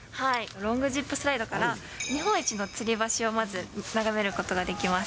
ロングジップスライドから日本一のつり橋をまず眺めることができます。